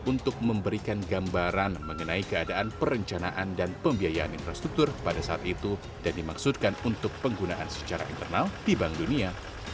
untuk memberikan gambaran mengenai keadaan perencanaan dan pembiayaan infrastruktur pada saat itu dan dimaksudkan untuk penggunaan secara internal di bank dunia